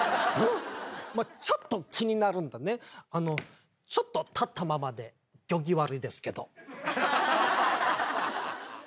まあちょっと気になるんでねちょっと立ったままで行儀悪いですけど。